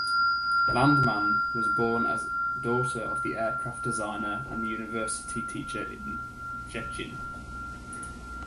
Landmann was born as daughter of the aircraft designer and university teacher in Szczecin.